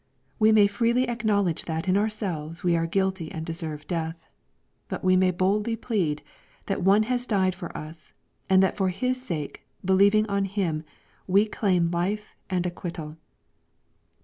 We may freely acknowledge that in ourselves we are guilty and deserve death. But we may boldly plead, that One has died for us, and that for His sake, believing on Him, we claim life and acquittal.